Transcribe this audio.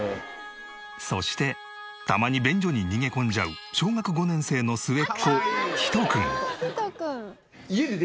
そしてたまに便所に逃げ込んじゃう小学５年生の末っ子ヒト君。